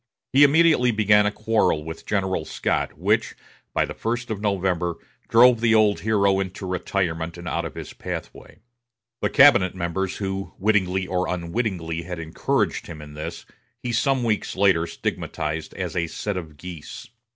He immediately began a quarrel with General Scott, which, by the first of November, drove the old hero into retirement and out of his pathway. The cabinet members who, wittingly or unwittingly, had encouraged him in this he some weeks later stigmatized as a set of geese.